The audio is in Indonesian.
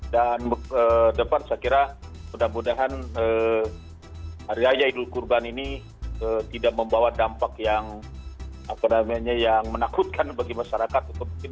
dan depan saya kira mudah mudahan hari raya idul korban ini tidak membawa dampak yang menakutkan bagi masyarakat